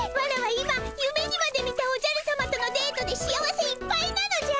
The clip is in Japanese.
今夢にまで見たおじゃるさまとのデートで幸せいっぱいなのじゃ！